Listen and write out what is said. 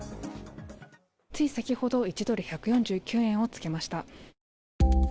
つい先ほど、１ドル＝１４９円をつけました。